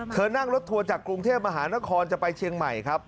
เธอนั่งรถทัวร์จากกรุงเทพมหานครจะไปเชียงใหม่ครับ